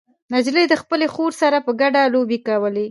نجلۍ د خپلې خور سره په ګډه لوبې کولې.